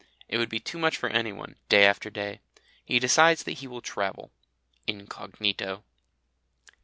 It would be too much for anyone, day after day. He decides that he will travel. Incognito.